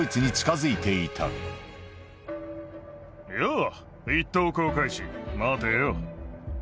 よう、一等航海士、待てよ。